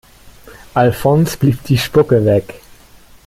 Alfons blieb die Spucke weg.